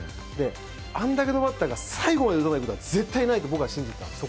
あれだけのバッターが最後まで打てないのは絶対ないと僕は信じていた。